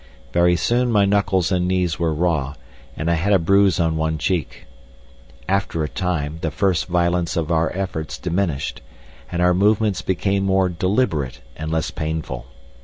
Very soon my knuckles and knees were raw, and I had a bruise on one cheek. After a time the first violence of our efforts diminished, and our movements became more deliberate and less painful.